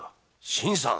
新さん！